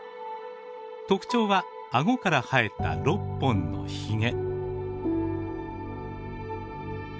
特徴は顎から生えた６本のひげ。